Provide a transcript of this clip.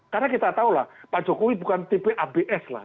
karena kita tahu lah pak jokowi bukan tipe abs lah